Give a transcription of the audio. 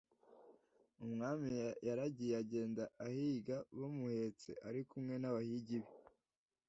umwami yaragiye agenda ahiga bamuhetse ari kumwe n’abahigi be